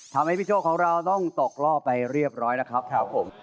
ทำให้พี่โชคของเราต้องตกล่อไปเรียบร้อยแล้วครับครับผม